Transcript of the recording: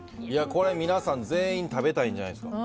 これ、皆さん全員食べたいんじゃないですか？